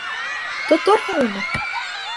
Тоторһоң уны!